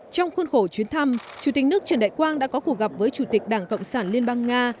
trong khuôn khổ chuyến thăm chủ tịch nước trần đại quang đã có cuộc gặp với chủ tịch đảng cộng sản liên bang nga